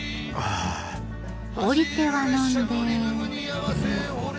降りては呑んで。